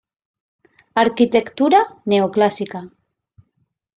Arquitectura neoclásica